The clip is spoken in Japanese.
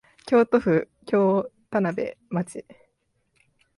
京都府京丹波町